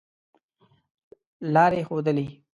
لاري ښودلې.